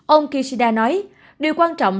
ông kishida nói điều quan trọng